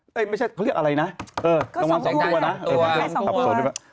เอ๊ะไม่ใช่เขาเรียกอะไรนะเออก็สองตัวสองตัวสองตัวสองตัว